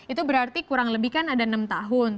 itu berarti kurang lebih kan ada enam tahun